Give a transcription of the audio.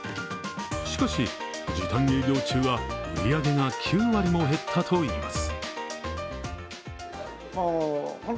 しかし、時短営業中は売り上げが９割も減ったといいます。